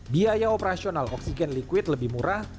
biaya operasional oksigen liquid lebih murah